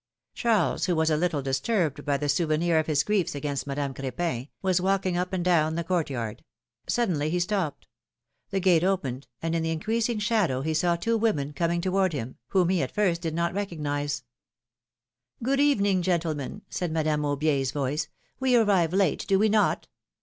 Charles, who was a little disturbed by the souvenir of his griefs against Madame Cr^pin, was walking up and down the court yard; suddenly he stopped: the gate had opened, and in the increasing shadow he saw two women coming toward him, whom he at first did not recognize. 152 pniLOMi;:NE^s maphiages. ^^Good evening, gentlemen,'^ said Madame Aubier's voice. We arrive late, do we not?